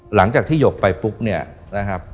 หลังจากที่หยกไปปุ๊บเนี่ยนะครับ